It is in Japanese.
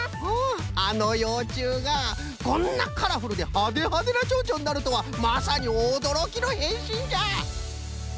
あのようちゅうがこんなカラフルでハデハデのチョウチョになるとはまさにおどろきのへんしんじゃ！